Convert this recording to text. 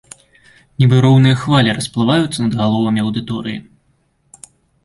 Нібы роўныя хвалі расплываюцца над галовамі аўдыторыі.